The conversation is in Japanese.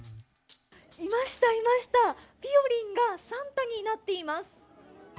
いました、いました、ぴよりんがサンタになっています。